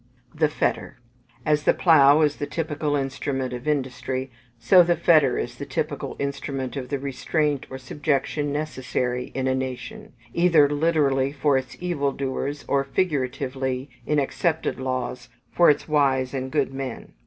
2. THE FETTER. As the plough is the typical instrument of industry, so the fetter is the typical instrument of the restraint or subjection necessary in a nation either literally, for its evil doers, or figuratively, in accepted laws, for its wise and good men.